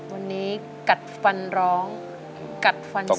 วันนี้กัดฟันร้องกัดฟัน